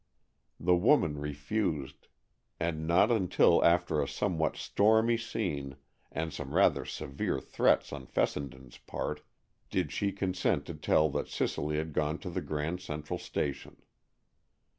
The woman refused, and not until after a somewhat stormy scene, and some rather severe threats on Fessenden's part did she consent to tell that Cicely had gone to the Grand Central Station.